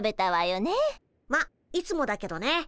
まあいつもだけどね。